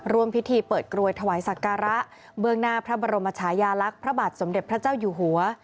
ร่วมพิธีเปิดกรวยถวายศักระเบื้องหน้าพระบรมชายาลักษณ์พระบาทสมเด็จพระเจ้าอยู่หัว